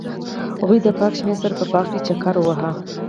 هغوی د پاک شمیم سره په باغ کې چکر وواهه.